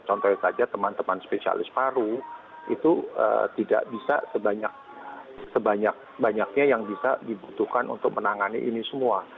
contohnya saja teman teman spesialis paru itu tidak bisa sebanyak banyaknya yang bisa dibutuhkan untuk menangani ini semua